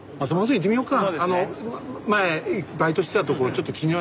行ってみようか。